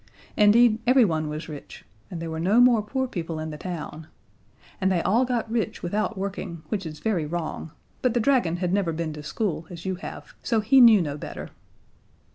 Indeed, everyone was rich, and there were no more poor people in the town. And they all got rich without working, which is very wrong; but the dragon had never been to school, as you have, so he knew no better.